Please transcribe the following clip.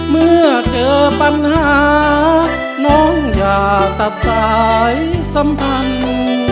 เมื่อเจอปัญหาน้องอย่าตัดสายสัมพันธ์